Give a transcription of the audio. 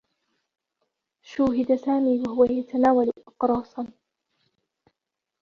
شوهِد سامي و هو يتناول أقراصا.